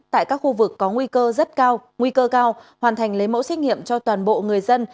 tại các khu vực có nguy cơ rất cao nguy cơ cao hoàn thành lấy mẫu xét nghiệm cho toàn bộ người dân